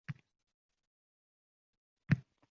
Bo`lganiga yarasha ziyodi bilan bo`lsin, deyman-da